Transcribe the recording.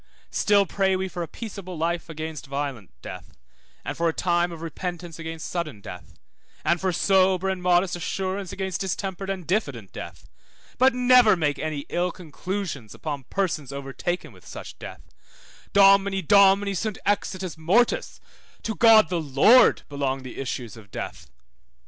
Still pray we for a peaceable life against violent death, and for time of repentance against sudden death, and for sober and modest assurance against distempered and diffident death, but never make ill conclusions upon persons overtaken with such deaths; Domini Domini sunt exitus mortis, to God the Lord belong the issues of death.